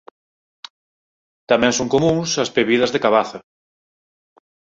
Tamén son comúns as pebidas de cabaza.